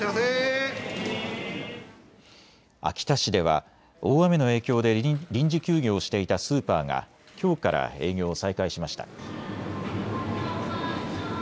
秋田市では大雨の影響で臨時休業していたスーパーがきょうから営業を再開しました。